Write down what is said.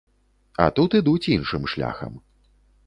А тут ідуць іншым шляхам.